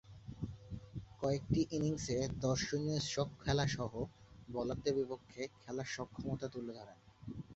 কয়েকটি ইনিংসে দর্শনীয় স্ট্রোক খেলাসহ বোলারদের বিপক্ষে খেলার সক্ষমতা তুলে ধরেন।